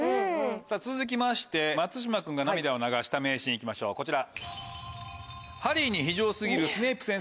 続きまして松島君が涙を流した名シーン行きましょうこちら。